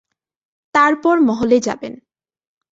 তারপর মহলে যাবেন।